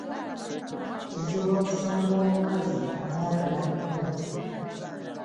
Kizibu okusanga omukazi atayagala kukola.